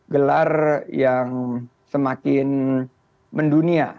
gelar yang semakin mendunia